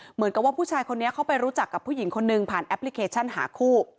เหมือนกับว่าผู้ชายคนนี้เขาไปรู้จักกับผู้หญิงคนหนึ่งผ่านแอปพลิเคชันหาคู่